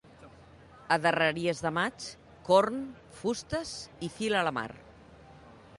A darreries de maig, corn, fustes i fil a la mar.